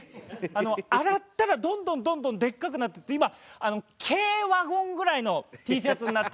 洗ったらどんどんどんどんでっかくなっていって今軽ワゴンぐらいのＴシャツになってて。